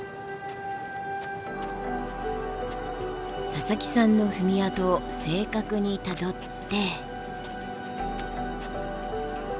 佐々木さんの踏み跡を正確にたどって。